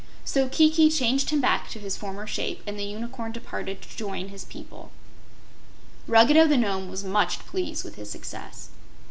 So Kiki changed him back to his former shape, and the Unicorn departed to join his people. Ruggedo the Nome was much pleased with his success.